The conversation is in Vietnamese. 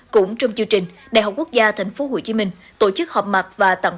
cũng trong chương trình đại học quốc gia tp hcm tổ chức họp mặt và tặng